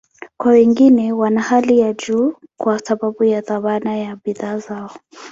Kwa wengine, wana hali ya juu kwa sababu ya thamani ya bidhaa zao.